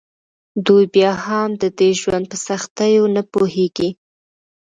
دوی بیا هم د دې ژوند په سختیو نه پوهیږي